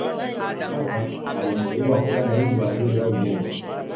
Mkapa alimteua kuwa Naibu Waziri wa Ujenzi